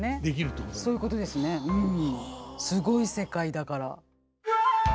すごい世界だから。